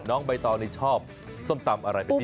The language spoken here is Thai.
แล้วน้องใบตอนี้ชอบส้มตำอะไรเป็นพิเศษ